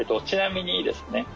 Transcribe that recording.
ちなみにですね